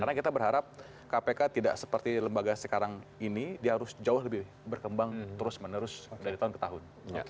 karena kita berharap kpk tidak seperti lembaga sekarang ini dia harus jauh lebih berkembang terus menerus dari tahun ke tahun